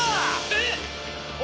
えっ？